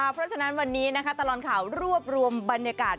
เพราะฉะนั้นวันนี้ตลอดข่าวรวบรวมบรรยากาศ